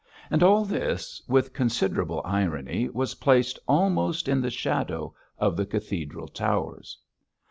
And all this, with considerable irony, was placed almost in the shadow of the cathedral towers.